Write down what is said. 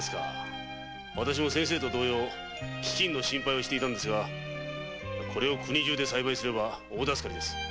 私も先生同様飢きんを心配していたのですが国中で栽培すれば大助かりです。